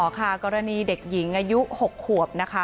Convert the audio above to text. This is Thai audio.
กรณีเด็กหญิงอายุ๖ขวบ